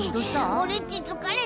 オレっちつかれてきた。